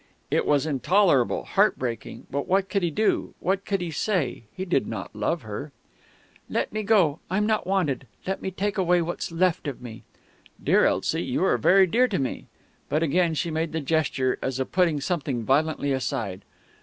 It was intolerable, heartbreaking; but what could he do what could he say? He did not love her... "Let me go I'm not wanted let me take away what's left of me " "Dear Elsie you are very dear to me " But again she made the gesture, as of putting something violently aside.